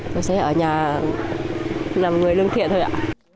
tôi sẽ ở nhà làm người lương thiện thôi ạ